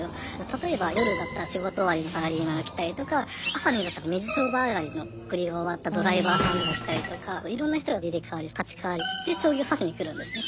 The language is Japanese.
例えば夜だったら仕事終わりのサラリーマンが来たりとか朝になったら水商売あがりの送りが終わったドライバーさんが来たりとかいろんな人が入れ代わり立ち代わり将棋を指しに来るんですね。